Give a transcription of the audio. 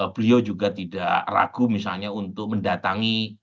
beliau juga tidak ragu misalnya untuk mendatangi